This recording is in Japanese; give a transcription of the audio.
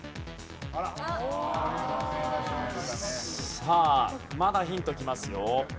さあまだヒントきますよ。